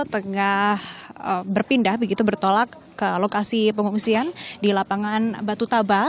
tengah berpindah begitu bertolak ke lokasi pengungsian di lapangan batu taba